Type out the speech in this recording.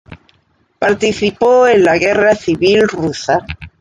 Participó en la Guerra Civil Rusa.